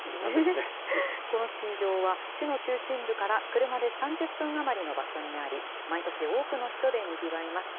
このスキー場は、市の中心部から車で３０分余りの場所にあり、毎年多くの人でにぎわいます。